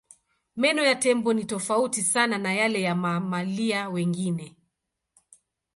Meno ya tembo ni tofauti sana na yale ya mamalia wengine.